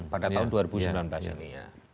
pada tahun dua ribu sembilan belas ini ya